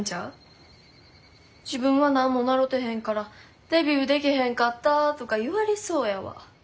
自分は何も習てへんからデビューでけへんかったとか言われそうやわ。